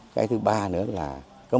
cái thứ ba nữa là có một